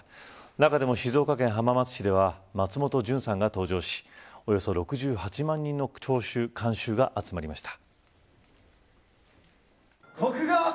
中でも静岡県浜松市では松本潤さんが登場しおよそ６８万人の観衆が集まりました。